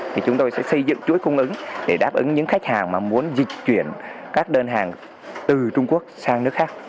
thì chúng tôi sẽ xây dựng chuỗi cung ứng để đáp ứng những khách hàng mà muốn dịch chuyển các đơn hàng từ trung quốc sang nước khác